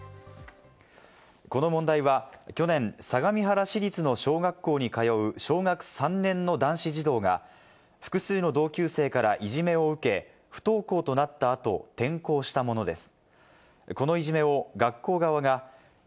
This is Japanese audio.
この問題は去年、相模原市立の小学校に通う小学３年の男子児童が、複数の同級生からいじめを受け、不登校となった後、転校したものです。